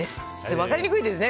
分かりにくいですね